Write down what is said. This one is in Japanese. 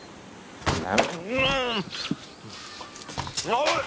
おい！